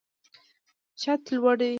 چت لوړ دی.